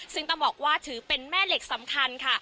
ซึ่งต้องบอกว่าถือเป็นแม่เหล็กสำคัญค่ะ